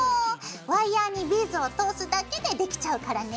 ワイヤーにビーズを通すだけでできちゃうからね。